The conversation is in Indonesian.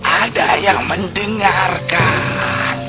ada yang mendengarkan